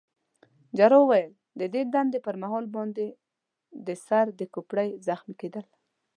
جراح وویل: د دندې پر مهال باندي د سر د کوپړۍ زخمي کېدل.